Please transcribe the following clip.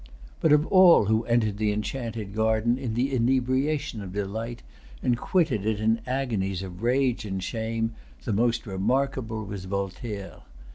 But of all who entered the enchanted garden in the inebriation of delight, and quitted it in agonies of rage and shame, the most remarkable was Voltaire.